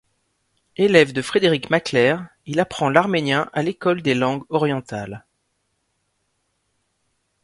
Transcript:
Élève de Frédéric Macler, il apprend l'arménien à l'École des langues orientales.